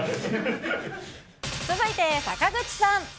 続いて坂口さん。